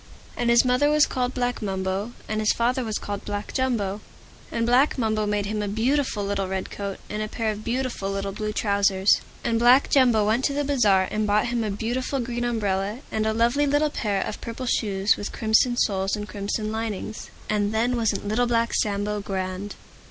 And his mother was called Black Mumbo. And his father was called Black Jumbo. And Black Mumbo made him a beautiful little Red Coat, and a pair of beautiful little blue trousers. And Black Jumbo went to the Bazaar, and bought him a beautiful Green Umbrella, and a lovely little Pair of Purple Shoes with Crimson Soles and Crimson Linings. And then wasn't Little Black Sambo grand?